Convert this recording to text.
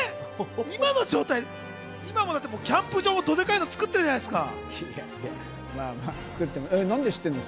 今の状態でキャンプ場、ドでかいの作ってるじゃないですか。